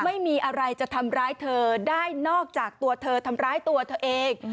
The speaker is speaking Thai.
ไม่มีอะไรจะทำร้ายเธอได้นอกจากตัวเธอทำร้ายตัวเธอเอง